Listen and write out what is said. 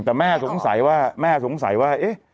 แต่แม่สงสัยว่าแม่สงสัยว่าเอ๊ะ